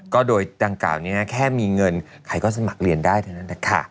ก็โดยดังกล่าวนี้แค่มีเงินใครก็สมัครเรียนได้เท่านั้นนะคะ